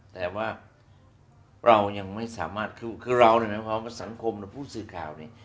แต่ว่าเรายังไม่สามารถคุยคือเรานึกไม่พอสังคมและผู้สื่อขาวนี้